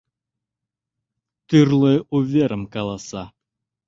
Тӱрлӧ уверым каласа...